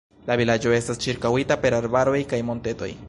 La vilaĝo estas ĉirkaŭita per arbaroj kaj montetoj.